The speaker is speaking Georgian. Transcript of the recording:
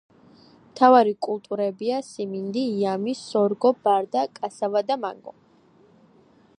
მთავარი კულტურებია სიმინდი, იამი, სორგო, ბარდა, კასავა და მანგო.